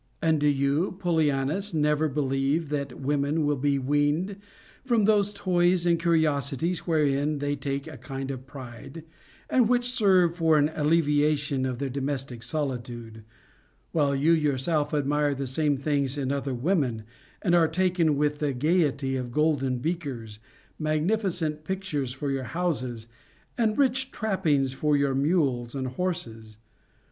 And do you, Pollianus, never believe that women will be weaned from those toys and curiosities wherein they take a kind of pride, and which serve for an alleviation of their domestic solitude, while you yourself admire the same things in other women, and are taken with the gayety CONJUGAL PRECEPTS. 505 of golden beakers, magnificent pictures for your houses, and rich trappings for your mules and horses.